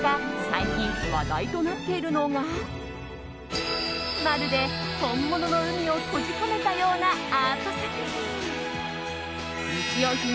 最近、話題となっているのがまるで本物の海を閉じ込めたようなアート作品。